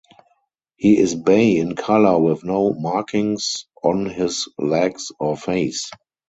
He is bay in color with no markings on his legs or face.